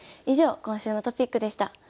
以上今週のトピックでした。